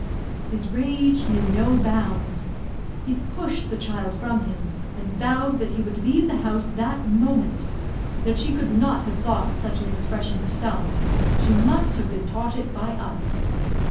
His rage knew no bounds. He pushed the child from him, and vowed that he would leave the house that moment that she could not have thought of such an expression herself; she must have been taught it by us.